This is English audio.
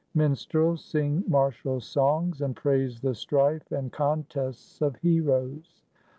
Minstrels sing martial songs, and praise the strife and contests of heroes.